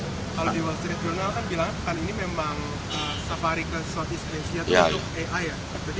kalau di wall street journal kan bilang kan ini memang safari ke sotis kresia untuk ai ya